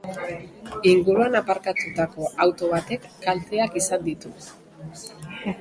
Inguruan aparkatutako auto batek kalteak izan ditu.